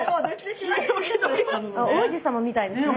王子様みたいですね。